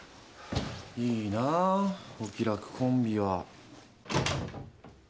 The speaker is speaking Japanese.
いいなあお気楽コンビは。